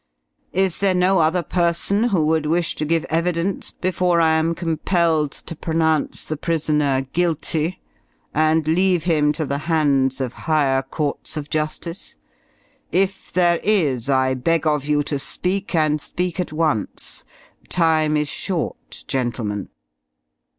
Is there no other person who would wish to give evidence, before I am compelled to pronounce the prisoner 'Guilty' and leave him to the hands of higher Courts of Justice? If there is, I beg of you to speak, and speak at once. Time is short, gentlemen."